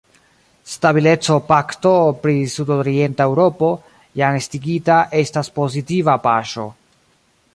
Stabileco-pakto pri sud-orienta Eŭropo, jam estigita, estas pozitiva paŝo.